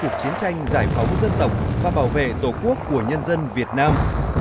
cuộc chiến tranh giải phóng dân tộc và bảo vệ tổ quốc của nhân dân việt nam